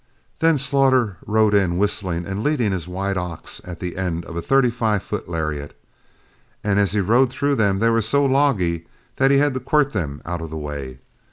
Then Slaughter rode in whistling and leading his white ox at the end of a thirty five foot lariat, and as he rode through them they were so logy that he had to quirt them out of the way.